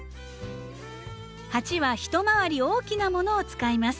鉢は一回り大きなものを使います。